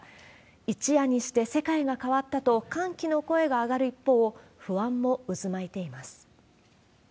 一夜にして世界が変わったと歓喜の声が上がる一方、不安も渦巻いています。